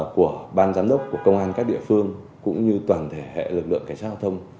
của ban giám đốc của công an các địa phương cũng như toàn thể hệ lực lượng cảnh sát giao thông